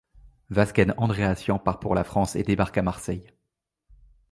Vazken Andréassian part pour la France et débarque à Marseille.